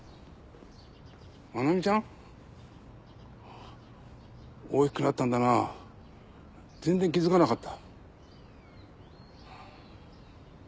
真名美ちゃん？大きくなったんだな全然気付かなかった。